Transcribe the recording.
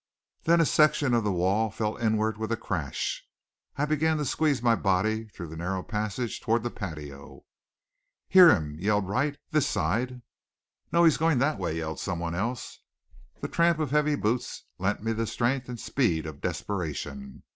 Then a section of the wall fell inward with a crash. I began to squeeze my body through the narrow passage toward the patio. "Hear him!" yelled Wright. "This side." "No, he's going that way," yelled someone else. The tramp of heavy boots lent me the strength and speed of desperation.